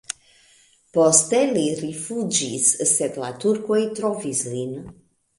Poste li rifuĝis, sed la turkoj trovis lin.